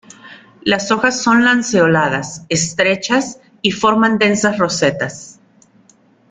Las hojas son lanceoladas estrechas y forman densas rosetas.